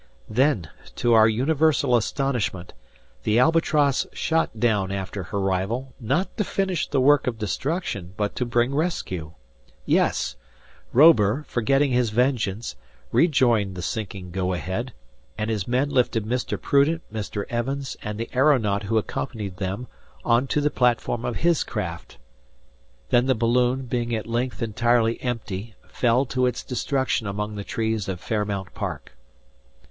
Then to our universal astonishment, the "Albatross" shot down after her rival, not to finish the work of destruction but to bring rescue. Yes! Robur, forgetting his vengeance, rejoined the sinking "Go Ahead," and his men lifted Mr. Prudent, Mr. Evans, and the aeronaut who accompanied them, onto the platform of his craft. Then the balloon, being at length entirely empty, fell to its destruction among the trees of Fairmount Park.